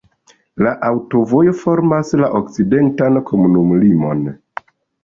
La aŭtovojo formas la okcidentan komunumlimon.